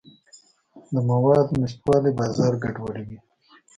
د موادو نشتوالی بازار ګډوډوي.